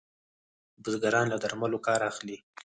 بزګران له درملو کار اخلي.